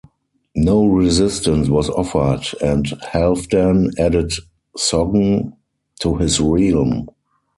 No resistance was offered, and Halfdan added Sogn to his realm.